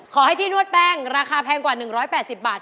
ขอให้ที่นวดแป้งราคาแพงกว่า๑๘๐บาท